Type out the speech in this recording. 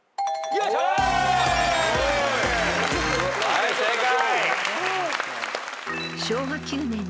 はい正解。